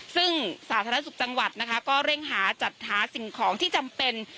ซึ่งสาธารณสุขจังหวัดนะคะก็เร่งหาจัดหาสิ่งของที่จำเป็น